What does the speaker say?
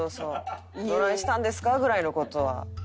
「どないしたんですか？」ぐらいの事は。